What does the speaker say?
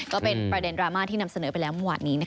ก็เป็นประเด็นดราม่าที่นำเสนอไปแล้วมหวัดนี้นะคะ